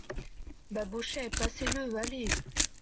Babochet Passez-le, allez !